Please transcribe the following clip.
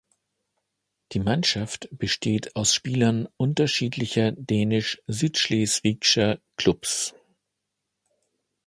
Die Mannschaft besteht aus Spielern unterschiedlicher dänisch-südschleswigscher Klubs.